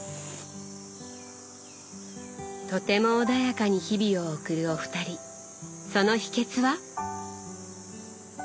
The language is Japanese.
とても穏やかに日々を送るお二人その秘けつは？